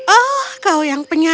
oh kau yang penyayang